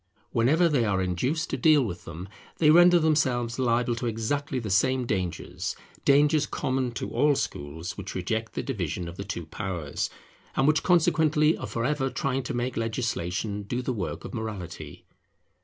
Whenever they are induced to deal with them, they render themselves liable to exactly the same dangers, dangers common to all schools which reject the division of the two powers, and which consequently are for ever trying to make legislation do the work of morality.